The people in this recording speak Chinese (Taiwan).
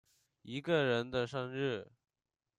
一個人生日